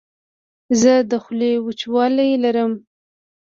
زه د خولې وچوالی لرم.